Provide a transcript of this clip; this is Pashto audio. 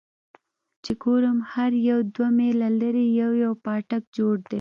چې ګورم هر يو دوه ميله لرې يو يو پاټک جوړ دى.